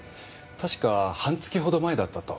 確か半月ほど前だったと。